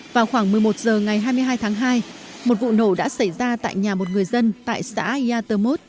vào khoảng một mươi một h ngày hai mươi hai tháng hai một vụ nổ đã xảy ra tại nhà một người dân tại xã yatomot